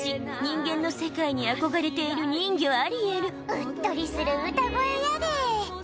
うっとりする歌声やで！